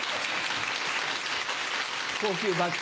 高級バッグ。